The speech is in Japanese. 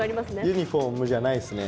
ユニフォームじゃないっすね。